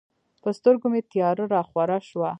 په سترګو مې تیاره راخوره شوه.